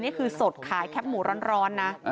นี่คือสดขายแคปหมูร้อนนะ